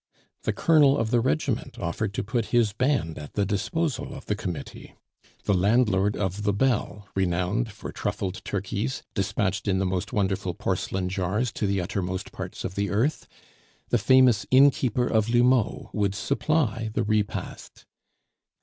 The colonel of the regiment offered to put his band at the disposal of the committee. The landlord of the Bell (renowned for truffled turkeys, despatched in the most wonderful porcelain jars to the uttermost parts of the earth), the famous innkeeper of L'Houmeau, would supply the repast.